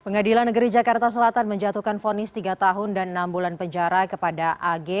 pengadilan negeri jakarta selatan menjatuhkan fonis tiga tahun dan enam bulan penjara kepada ag